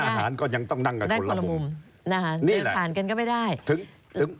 ร้านอาหารก็ยังต้องนั่งกับคนละมุมนั่งคนละมุมนี่แหละถึงถึง